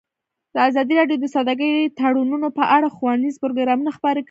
ازادي راډیو د سوداګریز تړونونه په اړه ښوونیز پروګرامونه خپاره کړي.